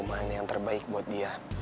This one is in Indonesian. apa rumahnya yang terbaik buat dia